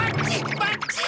ばっちい！